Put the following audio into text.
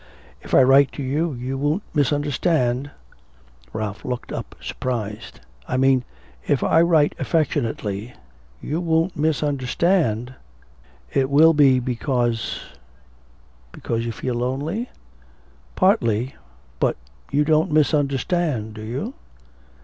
And if I write to you, you won't misunderstand?' Ralph looked up surprised. 'I mean, if I write affectionately you won't misunderstand. It will be because ' 'Because you feel lonely?' 'Partly. But you don't misunderstand, do you?'